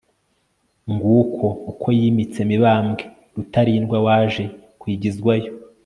nguko uko yimitse mibambwe rutarindwa waje kwigizwayo